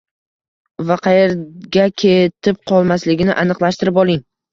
va qayerga ketib qolmasligini aniqlashtirib oling.